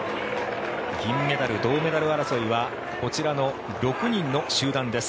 銀メダル、銅メダル争いはこちらの６人の集団です。